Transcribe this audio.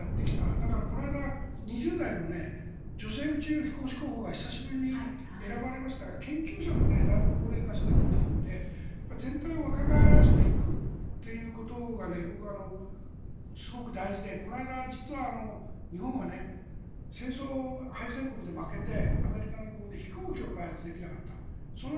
だから、この間２０代の女性宇宙飛行士候補が久しぶりに選ばれましたが研究者もだいぶ高齢化しているというので全体を若返らせていくということがすごく大事でこの間、実は日本は戦争敗戦国で負けてアメリカの意向で飛行機を開発できなかった。